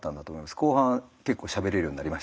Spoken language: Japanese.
後半結構しゃべれるようになりましたし。